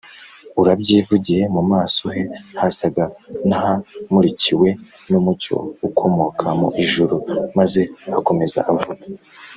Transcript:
urabyivugiye mu maso he hasaga n’ahamurikiwe n’umucyo ukomoka mu ijuru, maze akomeza avuga